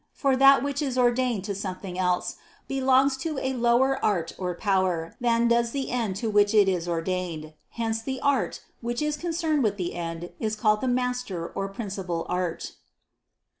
For that which is ordained to something else, belongs to a lower art or power than does the end to which it is ordained: hence the art which is concerned with the end is called the master or principal art.